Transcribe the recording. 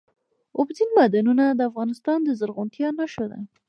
اوبزین معدنونه د افغانستان د زرغونتیا نښه ده.